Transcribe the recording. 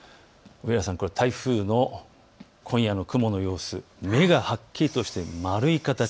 上原さん、台風の今夜の雲の様子、目がはっきりとして丸い形。